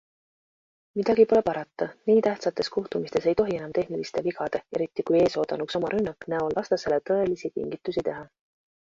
Midagi pole parata, nii tähtsates kohtumistes ei tohi enam tehniliste vigade - eriti, kui ees oodanuks oma rünnak - näol vastastele tõelisi kingitusi teha.